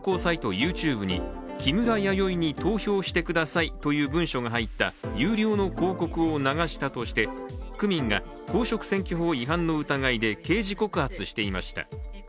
ＹｏｕＴｕｂｅに「木村やよいに投票してください」という文書が入った有料の広告を流したとして区民が公職選挙法違反の疑いで刑事告発していました。